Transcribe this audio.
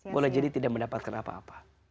boleh jadi tidak mendapatkan apa apa